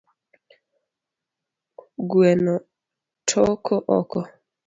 Gueno toko oko